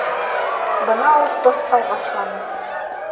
Бына ул тоҫҡай башланы.